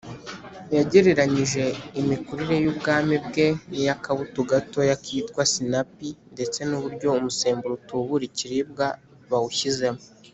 yagereranyije imikurire y’ubwami bwe n’iy’akabuto gatoya kitwa sinapi ndetse n’uburyo umusemburo utubura ikiribwa bawushyizemo